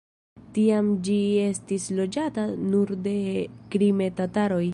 Tiam ĝi estis loĝata nur de krime-tataroj.